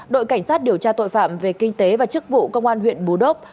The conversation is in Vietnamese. đội cảnh sát điều tra tội phạm về kinh tế và chức vụ công an huyện bù đốc